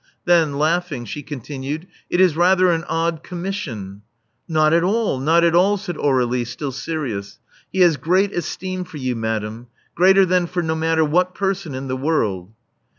Then, laughing, she con tinued, It is rather an odd commission." Not at all, not at all," said Aur61ie, still serious. He has great esteem for you, madame — ^greater than for no matter what person in the world."